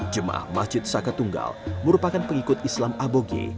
jemaah masjid saka tunggal merupakan pengikut islam aboge